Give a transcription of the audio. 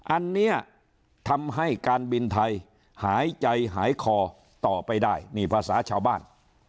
อันนี้ทำให้การบินไทยหายใจหายคอต่อไปได้นี่ภาษาชาวบ้าน